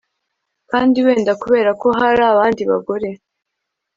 kandi wenda kubera ko hari abandi bagore